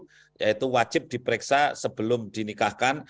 diperiksa dulu yaitu wajib diperiksa sebelum dinikahkan